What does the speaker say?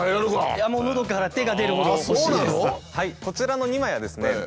こちらの２枚はですね